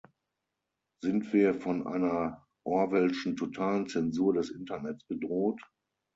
Sind wir von einer orwellschen totalen Zensur des Internets bedroht?